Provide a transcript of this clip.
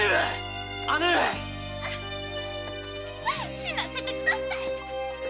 死なせてください！